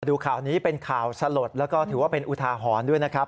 ดูข่าวนี้เป็นข่าวสลดแล้วก็ถือว่าเป็นอุทาหรณ์ด้วยนะครับ